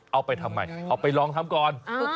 เอาไปทำไมเอาไปลองทำก่อน